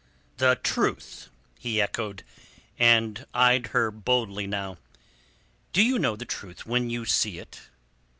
"The truth?" he echoed, and eyed her boldly now. "Do you know the truth when you see it?